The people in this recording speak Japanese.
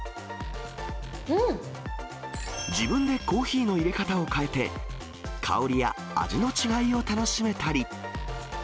自分でコーヒーのいれ方を変えて、香りや味の違いを楽しめたり。